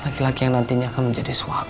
laki laki yang nantinya akan menjadi suami